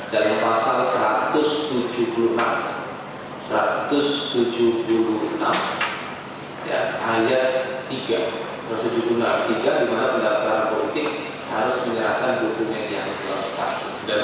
dalam pasal satu ratus tujuh puluh enam ayat tiga proses pendaftaran politik harus menyerahkan dokumen yang berlaku